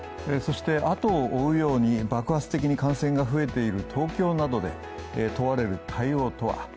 そして、後を追うに爆発的に感染が増えている東京などで問われる対応とは。